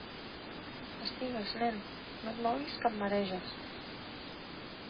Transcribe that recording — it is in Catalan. Estigues, nen: no et moguis, que em mareges.